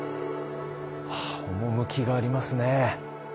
趣がありますね。